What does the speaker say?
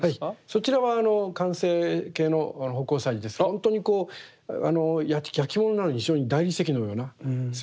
そちらは完成形の葆光彩磁ですけどほんとにこうやきものなのに非常に大理石のようなすべすべっとした。